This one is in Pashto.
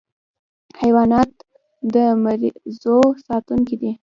حیوانات د مزرعو ساتونکي دي.